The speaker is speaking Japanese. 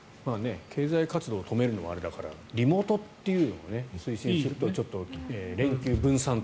経済活動を止めるのはあれだからリモートっていうのを推進すると連休、分散と。